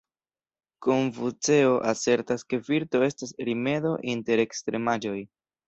Konfuceo asertas ke virto estas rimedo inter ekstremaĵoj.